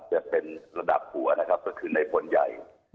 จะเป็นระดับหัวนะครับก็คือในพลใหญ่